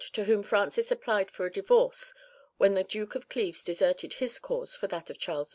to whom Francis applied for a divorce when the Duke of Cleves deserted his cause for that of Charles V.